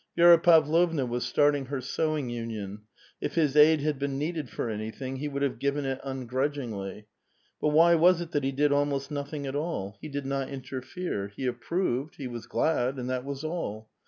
Vi^ra Pavlovna was starting her sewing union ; if his aid had been needed for anything, he would have given it nnirrudgingly. But why was it that he did almost nothing at all? He did not interfere; he approved; he was glad, and that was all.